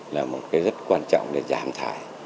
là một cái rất quan trọng để giảm thải